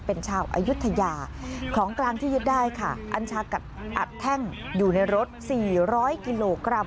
เป็นชาวอายุทยาของกลางที่ยึดได้ค่ะอัญชากัดอัดแท่งอยู่ในรถ๔๐๐กิโลกรัม